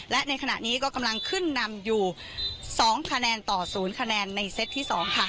และในขณะนี้ก็กำลังขึ้นนำอยู่๒คะแนนต่อ๐คะแนนในเซตที่๒ค่ะ